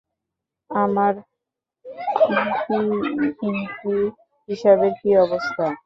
আমার পিইপি হিসাবের কী অবস্থা?